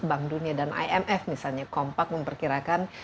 bank dunia dan imf misalnya kompak memperkirakan